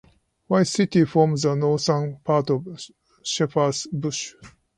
White City forms the northern part of Shepherd's Bush.